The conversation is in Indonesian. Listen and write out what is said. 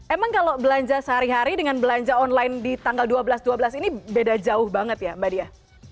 emang kalau belanja sehari hari dengan belanja online di tanggal dua belas dua belas ini beda jauh banget ya mbak dia